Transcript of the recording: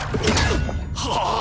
はあ！？